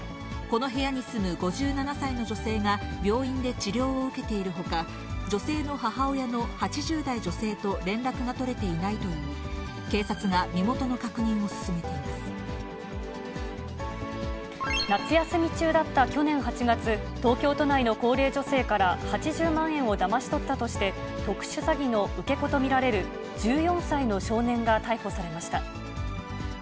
この部屋に住む５７歳の女性が病院で治療を受けているほか、女性の母親の８０代女性と連絡が取れていないと言い、警察が身元夏休み中だった去年８月、東京都内の高齢女性から８０万円をだまし取ったとして、特殊詐欺の受け子と見られる１４歳の少年が逮捕されました。